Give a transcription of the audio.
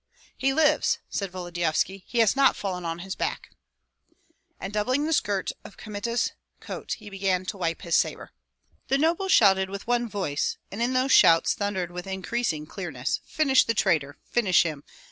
"He lives!" said Volodyovski; "he has not fallen on his back!" And doubling the skirt of Kmita's coat, he began to wipe his sabre. The nobles shouted with one voice, and in those shouts thundered with increasing clearness: "Finish the traitor! finish him!